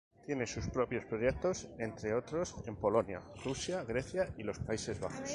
Tiene sus propios proyectos, entre otros en Polonia, Rusia, Grecia y los Países Bajos.